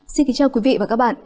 xin kính chào quý vị và các bạn